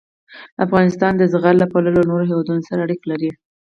افغانستان د زغال له پلوه له نورو هېوادونو سره اړیکې لري.